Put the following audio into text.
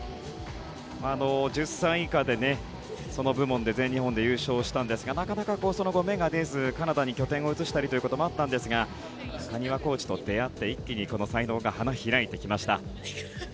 １０歳以下の部門で全日本で優勝したんですがなかなかその後、芽が出ずカナダに拠点を移しましたが中庭コーチと出会って一気に才能が花開いてきました。